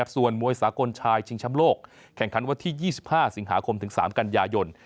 ส่วนมวยสากลชายชิงช้ำโลกแข่งขันวันที่๒๕สิงหาคมถึง๓กันยายน